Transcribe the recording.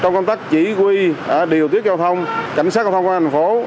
trong công tác chỉ huy điều tiết giao thông cảnh sát công an thành phố